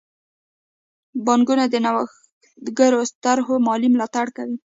بانکونه د نوښتګرو طرحو مالي ملاتړ کوي.